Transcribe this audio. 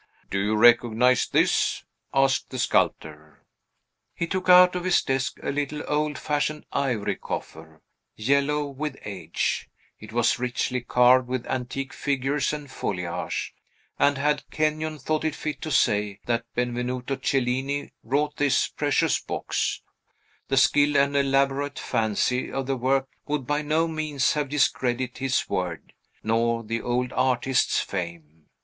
"Do you recognize this?" asked the sculptor. He took out of his desk a little old fashioned ivory coffer, yellow with age; it was richly carved with antique figures and foliage; and had Kenyon thought fit to say that Benvenuto Cellini wrought this precious box, the skill and elaborate fancy of the work would by no means have discredited his word, nor the old artist's fame.